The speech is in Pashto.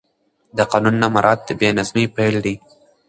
د قانون نه مراعت د بې نظمۍ پیل دی